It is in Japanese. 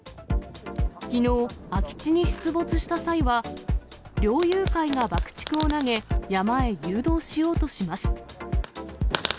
きのう、空き地に出没した際は、猟友会が爆竹を投げ、山へ誘導しようとします。